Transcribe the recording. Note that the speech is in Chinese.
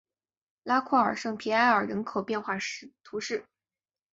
拉库尔圣皮埃尔人口变化图示